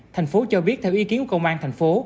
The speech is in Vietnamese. thành phố cho biết theo ý kiến của công an thành phố